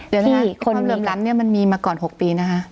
เดี๋ยวนะคะความเหลื่อมล้ำเนี่ยมันมีมาก่อน๖ปีนะคะ